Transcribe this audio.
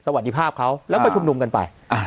สวัสดีภาพเขาแล้วก็ชุมนุมกันไป